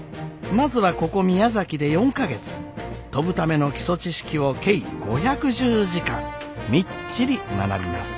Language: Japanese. まずはここ宮崎で４か月飛ぶための基礎知識を計５１０時間みっちり学びます。